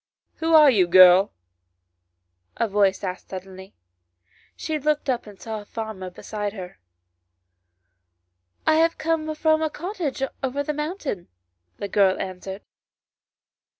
" Who are you, girl ?" a voice asked suddenly. She looked up and saw a farmer behind her. " I have come from a cottage over the mountain," the girl answered.